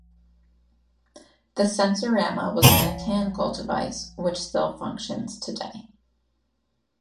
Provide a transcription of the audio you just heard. The Sensorama was a mechanical device, which still functions today.